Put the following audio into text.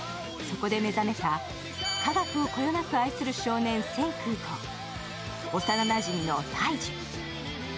そこで目覚めた科学をこよなく愛する少年・千空と幼なじみの大樹。